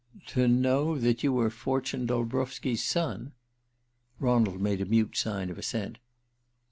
"To know that you were Fortune Dolbrowski's son?" Ronald made a mute sign of assent.